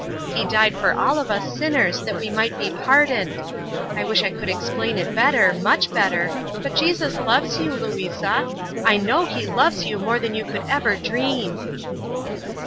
He died for all of us sinners that we might be pardoned. I wish I could explain it better, much better, but Jesus loves you, Louisa. I know He loves you more than you could ever dream."